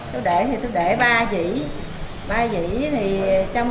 tôi để thì tôi để ba dĩ ba dĩ thì trong đó vàng một mươi tám không à